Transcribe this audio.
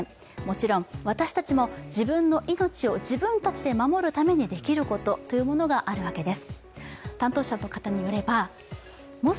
もちろん私たちも自分の命を自分たちで守るためにできることというものがあるわけです